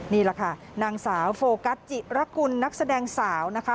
นี่แหละค่ะนางสาวโฟกัสจิระกุลนักแสดงสาวนะคะ